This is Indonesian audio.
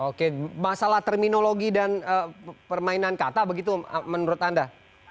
oke masalah terminologi dan permainan kata begitu menurut anda